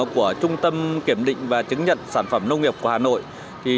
của trung tâm kiểm định và chứng nhận sản phẩm nông nghiệp của hà nội